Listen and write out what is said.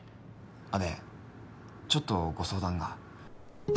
あっでちょっとご相談が。